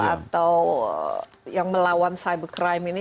atau yang melawan cybercrime ini